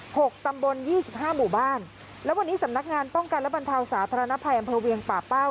หกตำบลยี่สิบห้าหมู่บ้านแล้ววันนี้สำนักงานป้องกันและบรรเทาสาธารณภัยอำเภอเวียงป่าเป้า